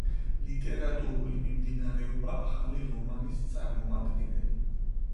ლიტერატურული მიმდინარეობა ახალი რომანის წარმომადგენელი.